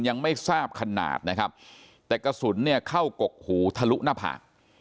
ยังไม่ทราบขนาดนะครับแต่กระสุนเนี่ยเข้ากกหูทะลุหน้าผาก